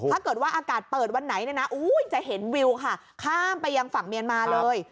อากาศเปิดวันไหนเนี่ยนะจะเห็นวิวค่ะข้ามไปยังฝั่งเมียนมาเลย